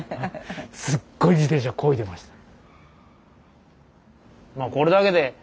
すっごい自転車こいでました。